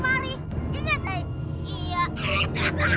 ini adalah salahku